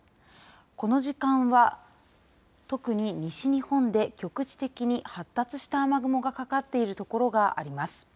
この時間は、特に西日本で局地的に発達した雨雲がかかっている所があります。